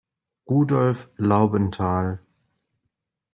Rudolf Laubenthal.